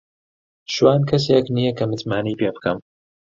شوان کەسێک نییە کە متمانەی پێ بکەم.